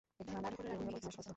এখানের কেউ নিরাপদ নয়, সত্য।